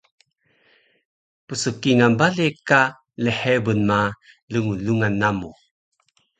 Pskingal bale ka lhebun ma lnglungan namu